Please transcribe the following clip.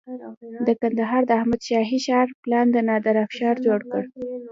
د کندهار د احمد شاهي ښار پلان د نادر افشار جوړ کړ